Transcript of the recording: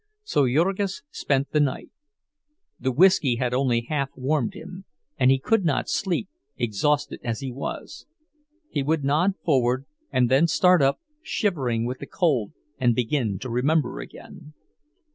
So Jurgis spent the night. The whisky had only half warmed him, and he could not sleep, exhausted as he was; he would nod forward, and then start up, shivering with the cold, and begin to remember again.